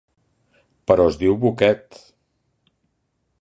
Però es diu Bucket.